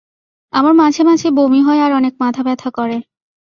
আমার মাঝে মাঝেই বমি হয় আর অনেক মাথা ব্যথা করে।